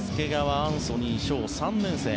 アンソニー翔３年生。